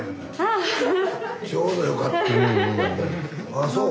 あそう。